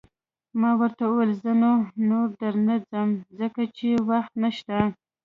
ما ورته وویل: زه نو، نور در نه ځم، ځکه چې وخت نشته.